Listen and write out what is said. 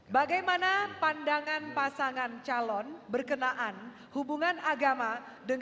bagaimana pandangan pasangan calon berkenaan hubungan agama dengan